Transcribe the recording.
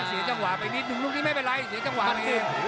เสียจังหวะไปนิดนุ่มนุ่มนี่ไม่เป็นไรเสียจังหวะนังเอง